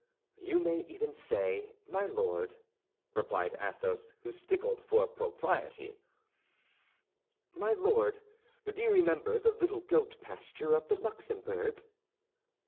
"You may even say, My Lord," replied Athos, who stickled for propriety. "_My Lord, do you remember the little goat pasture of the Luxembourg?